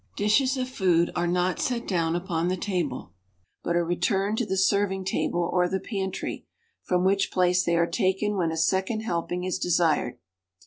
Dishes 21 of food are not set down upon the table but are returned to the serving table or the pantry, from which place they are taken when a second helping is desired.